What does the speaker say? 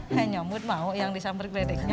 he nyomud mau yang disamber geledengnya